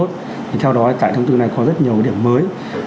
thì theo đó tại thông tư này có rất nhiều điểm mới